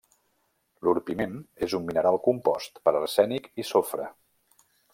L'orpiment és un mineral compost per arsènic i sofre.